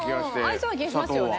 合いそうな気がしますよね。